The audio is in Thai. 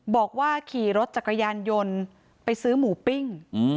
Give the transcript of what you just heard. บอกว่าขี่รถจักรยานยนต์ไปซื้อหมูปิ้ง